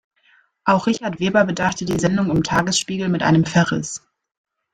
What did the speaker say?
Auch Richard Weber bedachte die Sendung im Tagesspiegel mit einem Verriss.